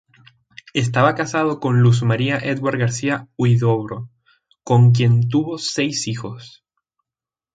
Estaba casado con Luz María Edwards García Huidobro, con quien tuvo seis hijos.